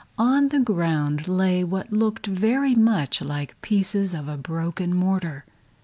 On the ground lay what looked very much like pieces of a broken mortar.